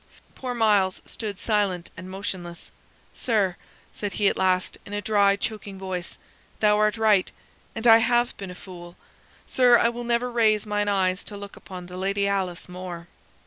Poor Myles stood silent and motionless. "Sir," said he at last, in a dry choking voice, "thou art right, and I have been a fool. Sir, I will never raise mine eyes to look upon the Lady Alice more."